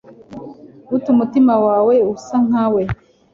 gute umutima we usa nkawe.